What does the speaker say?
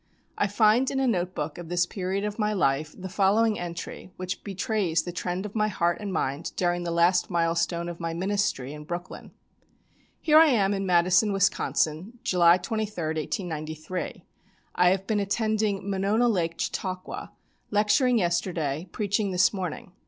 I find in a note book of this period of my life the following entry, which betrays the trend of my heart and mind during the last milestone of my ministry in Brooklyn: "Here I am in Madison, Wisconsin, July 23, 1893. I have been attending Monona Lake Chautauqua, lecturing yesterday, preaching this morning.